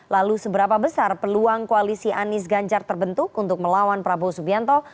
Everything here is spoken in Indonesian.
lalu seberapa besar peluang koalisi anies ganjar terbentuk untuk melawan prabowo subianto